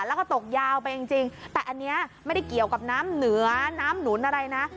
แล้วก็ตกยาวไปจริงแต่อันนี้ไม่ได้เกี่ยวกับน้ำเหนือน้ำหนุนอะไรนะ